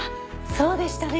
そうでしたね。